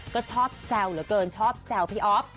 ก็ชอบแซวเหลือเกินชอบแซวพี่อ๊อฟ